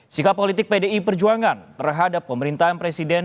sikap politik pdi perjuangan terhadap pemerintahan presiden